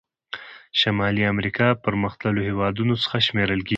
شمالي امریکا پرمختللو هېوادونو څخه شمیرل کیږي.